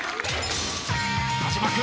［田島君